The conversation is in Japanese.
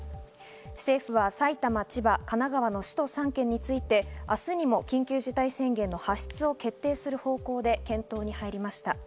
政府は埼玉、千葉、神奈川の首都３県について明日にも緊急事態宣言の発出を決定する方向で検討に入りました。